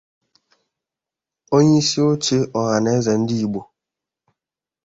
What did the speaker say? onyeisioche Ọhaneze Ndị Igbo